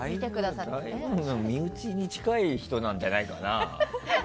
身内に近い人なんじゃないかな。